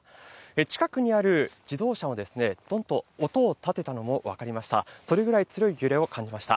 近くにある自動車がドンと音を立てたのも分かりました。